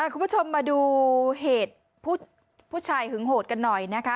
คุณผู้ชมมาดูเหตุผู้ชายหึงโหดกันหน่อยนะคะ